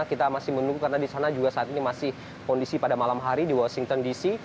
kita masih menunggu karena di sana juga saat ini masih kondisi pada malam hari di washington dc